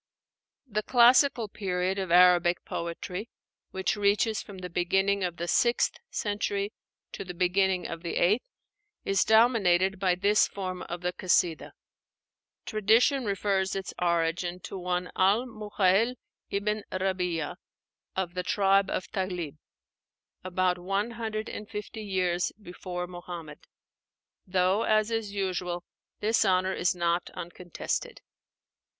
The classical period of Arabic poetry, which reaches from the beginning of the sixth century to the beginning of the eighth, is dominated by this form of the Kasídah. Tradition refers its origin to one al Muhalhel ibn Rabí'a of the tribe of Taghlib, about one hundred and fifty years before Muhammad; though, as is usual, this honor is not uncontested.